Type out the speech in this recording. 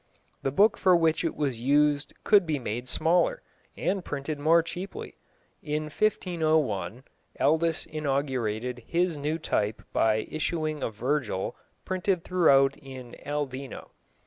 The book for which it was used could be made smaller, and printed more cheaply. In 1501 Aldus inaugurated his new type by issuing a Virgil printed throughout in "Aldino."